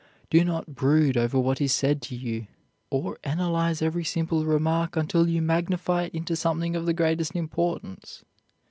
Do not brood over what is said to you, or analyze every simple remark until you magnify it into something of the greatest importance.